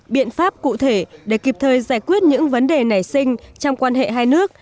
biện pháp cụ thể để kịp thời giải quyết những vấn đề nảy sinh trong quan hệ hai nước